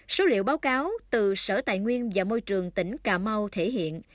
số liệu báo cáo từ sở tài nguyên và môi trường tỉnh cà mau thể hiện